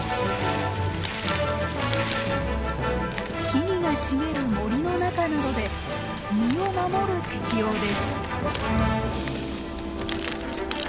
木々が茂る森の中などで身を守る適応です。